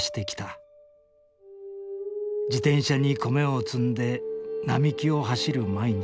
自転車に米を積んで並木を走る毎日。